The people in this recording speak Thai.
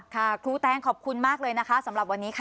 ครูแตงขอบคุณมากเลยนะคะสำหรับวันนี้ค่ะ